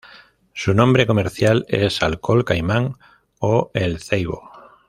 Su nombre comercial es alcohol Caimán o El Ceibo.